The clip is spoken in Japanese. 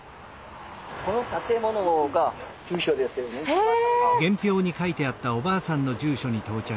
へえ！